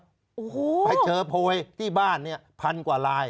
โอ้โหไปเจอโพยที่บ้านเนี่ยพันกว่าลาย